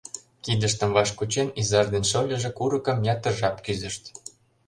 Кидыштым ваш кучен, изаж ден шольыжо курыкым ятыр жап кӱзышт.